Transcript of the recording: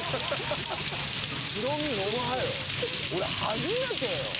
俺初めてよ。